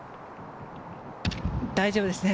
大丈夫ですね？